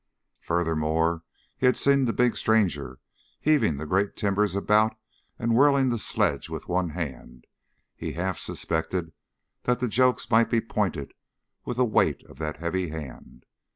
Furthermore, he had seen the big stranger heaving the great timbers about and whirling the sledge with one hand; he half suspected that the jokes might be pointed with the weight of that heavy hand.